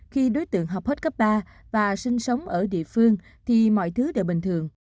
khi đối tượng học hết cấp ba và sinh sống ở địa phương thì mọi thứ đều bình thường